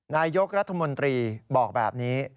นายกรัฐมนตรีบอกแบบนี้